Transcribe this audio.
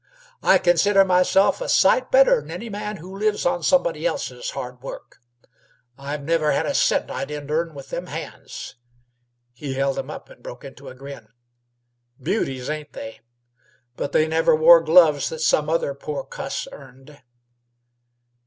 "I consider myself a sight better 'n any man who lives on somebody else's hard work. I've never had a cent I didn't earn with them hands." He held them up and broke into a grin. "Beauties, ain't they? But they never wore gloves that some other poor cuss earned."